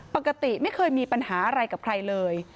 ปกติไม่เคยมีปัญหาอะไรกับใครเลย